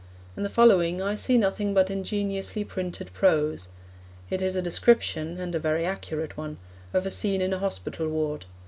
In the following I see nothing but ingeniously printed prose. It is a description and a very accurate one of a scene in a hospital ward.